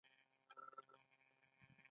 بدخشان د نیلي ډبرو او غرونو خاوره ده.